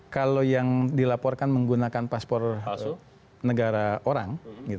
kalau yang dilaporkan menggunakan paspor negara orang